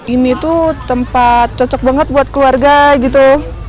ini tuh tempat cocok banget buat keluarga gitu